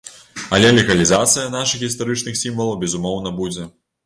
Але легалізацыя нашых гістарычных сімвалаў, безумоўна, будзе.